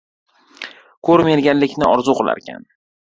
• Ko‘r merganlikni orzu qilarkan.